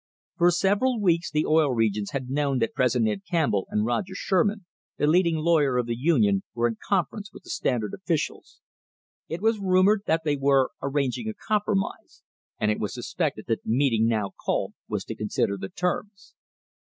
For several weeks the Oil Regions had known that President Campbell and Roger Sherman, the leading lawyer of the Union, were in conference with the Standard officials. It was rumoured that they were arranging a compromise, and it was suspected that the meeting now called was to consider the terms.